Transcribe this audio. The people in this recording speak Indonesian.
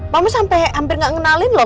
mama sampai hampir nggak ngenalin loh